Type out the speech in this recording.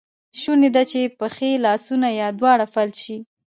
شونی ده چې پښې، لاسونه یا دواړه فلج شي.